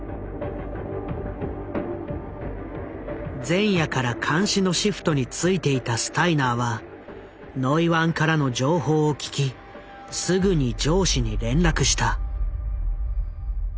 前夜から監視のシフトに就いていたスタイナーはノイワンからの情報を聞きすぐに上司に連絡した。